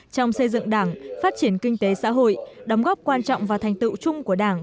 trong xây dựng đảng phát triển kinh tế xã hội đóng góp quan trọng vào thành tựu chung của đảng